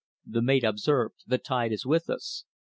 The mate observed: "The tide is with us."